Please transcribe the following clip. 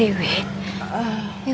wewet kenapa gumara